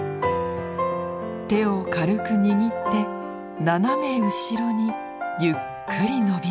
手を軽く握って斜め後ろにゆっくり伸びます。